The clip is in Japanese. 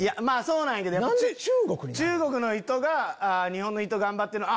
そうなんやけど中国の人が「日本の人頑張ってる」。